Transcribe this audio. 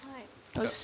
よし。